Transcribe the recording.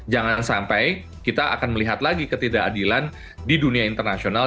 jangan sampai kita akan melihat lagi ketidakadilan di dunia internasional